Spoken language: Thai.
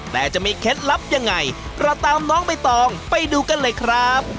แต่จะมีเคล็ดลับยังไงเราตามน้องใบตองไปดูกันเลยครับ